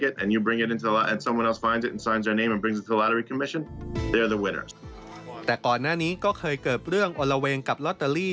แต่ก่อนหน้านี้ก็เคยเกิดเรื่องอลละเวงกับลอตเตอรี่